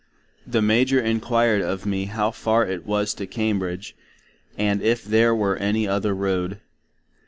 The Major inquired of me how far it was to Cambridge, and if there were any other Road?